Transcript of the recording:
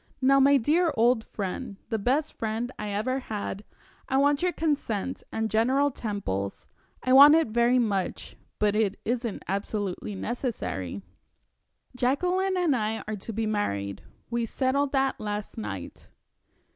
Now, my dear old friend the best friend I ever had I want your consent and General Temple's I want it very much, but it isn't absolutely necessary. Jacqueline and I are to be married. We settled that last night."